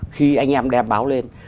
khi anh em đem báo lên